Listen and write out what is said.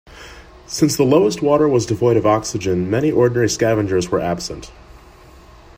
Since the lowest water was devoid of oxygen, many ordinary scavengers were absent.